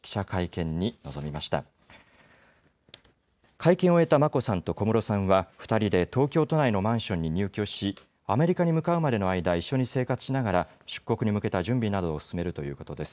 会見を終えた眞子さんと小室さんは、２人で東京都内のマンションに入居し、アメリカに向かうまでの間、一緒に生活しながら、出国に向けた準備などを進めるということです。